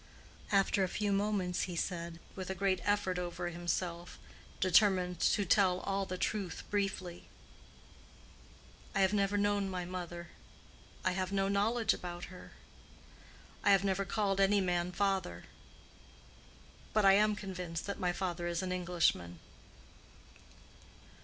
After a few moments, he said, with a great effort over himself—determined to tell all the truth briefly, "I have never known my mother. I have no knowledge about her. I have never called any man father. But I am convinced that my father is an Englishman."